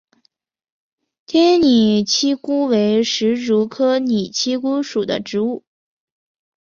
田野拟漆姑为石竹科拟漆姑属的植物。